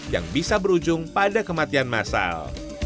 yang bisa berujung pada kematian masal